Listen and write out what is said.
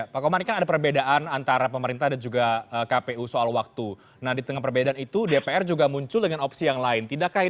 polarisasi dan lain sebagainya